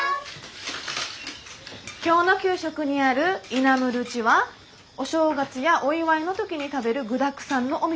今日の給食にあるイナムドゥチはお正月やお祝いの時に食べる具だくさんのおみそ汁です。